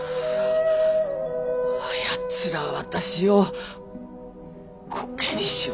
あやつら私をこけにしおって。